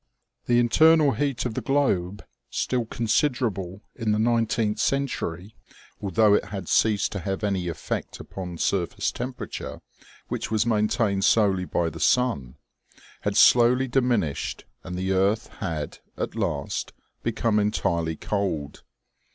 OMEGA. 223 The internal heat of the globe, still considerable in the nineteenth century, although it had ceased to have any effect upon surface temperature, which was maintained solely by the sun, had slowly diminished, and the earth had, at last, become entirely cold.